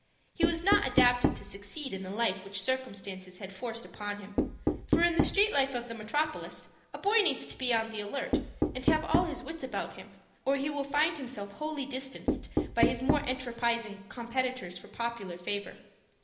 He was not adapted to succeed in the life which circumstances had forced upon him; for in the street life of the metropolis a boy needs to be on the alert, and have all his wits about him, or he will find himself wholly distanced by his more enterprising competitors for popular favor.